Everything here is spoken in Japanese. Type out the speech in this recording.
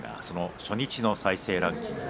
初日の再生ランキング